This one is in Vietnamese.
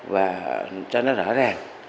và cho nó rõ ràng